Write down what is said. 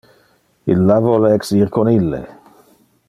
Illa vole exir con ille.